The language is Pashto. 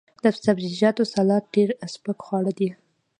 د سبزیجاتو سلاد ډیر سپک خواړه دي.